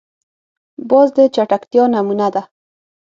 باز د چټکتیا نمونه ده